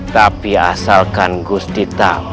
tapi asalkan gusti tahu